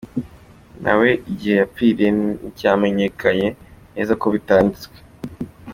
Nawe igihe yapfiriye nticyamenyekanye neza kuko bitanditswe.